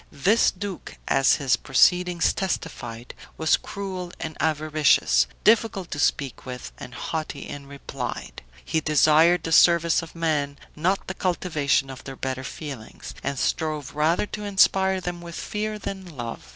This duke, as his proceedings testified, was cruel and avaricious, difficult to speak with, and haughty in reply. He desired the service of men, not the cultivation of their better feelings, and strove rather to inspire them with fear than love.